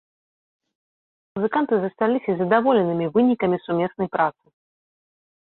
Музыканты засталіся задаволенымі вынікам сумеснай працы.